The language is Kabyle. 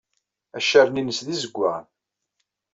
Accaren-innes d izegwaɣen.